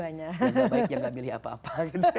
yang gak baik yang gak pilih apa apa